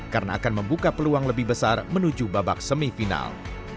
karena akan membuka peluang lebih besar menuju babak semifinal